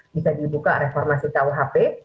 bisa dibuka reformasi kuhp